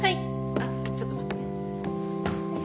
あっちょっと待ってね。